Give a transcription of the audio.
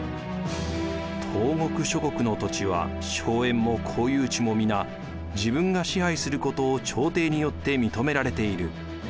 「東国諸国の土地は荘園も公有地も皆自分が支配することを朝廷によって認められている」。